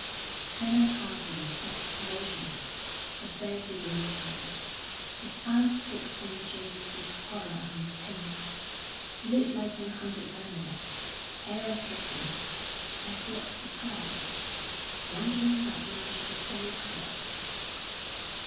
Colonel Parsons sat motionless, as though he were stunned, his eyes fixed on James with horror and pain; he looked like some hunted animal, terror stricken, and yet surprised, wondering that man should be so cruel.